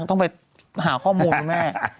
ต้องไปหาข้อมูลคุณแม่